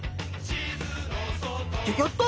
ギョギョっと